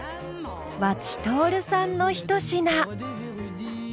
和知徹さんのひと品。